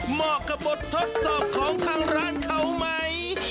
เหมาะกับบททดสอบของทางร้านเขาไหม